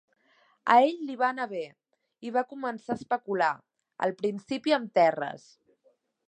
A ell li va anar bé i va començar a especular, al principi amb terres.